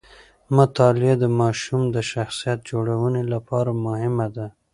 مطالعه د ماشوم د شخصیت جوړونې لپاره مهمه ده.